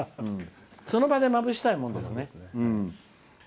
その場で、まぶしたいものですね。